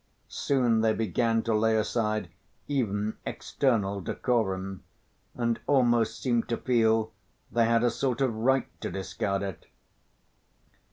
Soon they began to lay aside even external decorum and almost seemed to feel they had a sort of right to discard it.